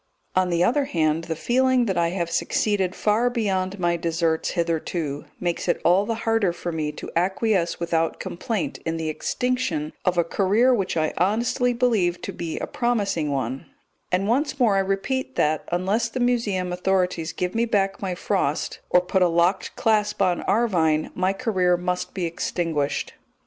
On the other hand, the feeling that I have succeeded far beyond my deserts hitherto, makes it all the harder for me to acquiesce without complaint in the extinction of a career which I honestly believe to be a promising one; and once more I repeat that, unless the Museum authorities give me back my Frost, or put a locked clasp on Arvine, my career must be extinguished.